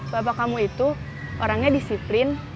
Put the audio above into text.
bapak kamu itu orangnya disiplin